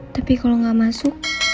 tapi kalau gak masuk